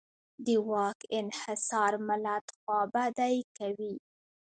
د واک انحصار ملت خوابدی کوي.